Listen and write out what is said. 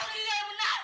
itu yang benar